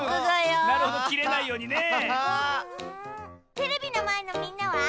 テレビのまえのみんなは。